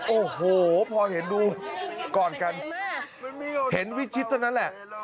โอ้โหพอเห็นดูกอดกันเห็นวิชิตเท่านั้นแหละ